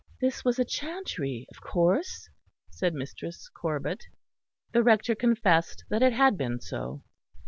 "This was a chantry, of course?" said Mistress Corbet. The Rector confessed that it had been so.